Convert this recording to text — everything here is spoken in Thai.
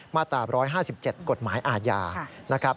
มาตรา๑๕๗กฎหมายอาญานะครับ